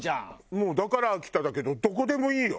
もうだから秋田だけどどこでもいいよ。